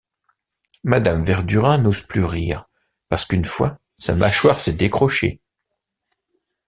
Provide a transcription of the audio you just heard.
Madame Verdurin n’ose plus rire parce qu'une fois, sa mâchoire s’est décrochée.